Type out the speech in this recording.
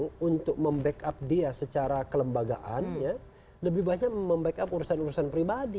kemudian untuk membackup dia secara kelembagaan lebih banyak membackup urusan urusan pribadi